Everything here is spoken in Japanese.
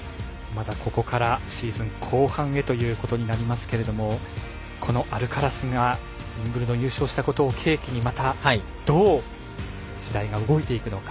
ここからシーズン後半へということになりますがこのアルカラスがウィンブルドン優勝したことを契機にまたどう時代が動いていくのか。